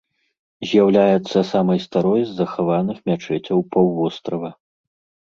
З'яўляецца самай старой с захаваных мячэцяў паўвострава.